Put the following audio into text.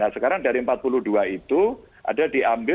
nah sekarang dari empat puluh dua itu ada diambil dua belas